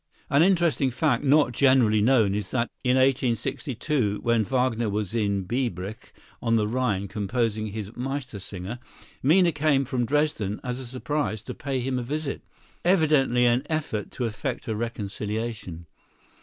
An interesting fact, not generally known, is that, in 1862, when Wagner was in Biebrich on the Rhine composing his "Meistersinger," Minna came from Dresden as a surprise to pay him a visit—evidently an effort to effect a reconciliation.